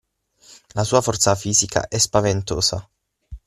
La sua forza fisica è spaventosa!